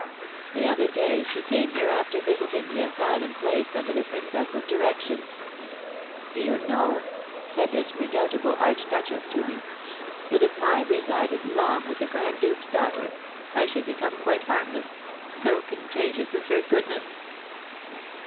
"The other day she came here after visiting the asylum placed under the princess's direction. 'Do you know,' said this redoubtable archduchess to me, 'that if I resided long with the grand duke's daughter I should become quite harmless, so contagious is her goodness!'"